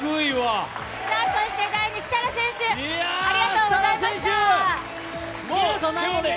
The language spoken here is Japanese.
そして第２位、設楽選手、ありがとうございました、１５万円です。